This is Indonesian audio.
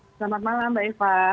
selamat malam mbak eva